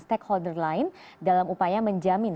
stakeholder lain dalam upaya menjamin